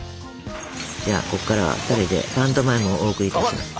じゃあこっからは２人でパントマイムをお送りいたします。